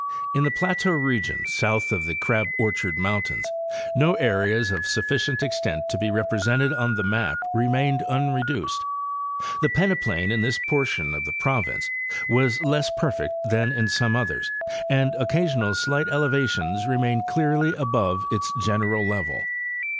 In the plateau rezion south of the Crab Orchard mountains no areas of sufficient extent to be represented on the map remained unreduced. The peneplain in this portion of the province was less perfect than in some others and occasional slight elevations remain clearly above its general level.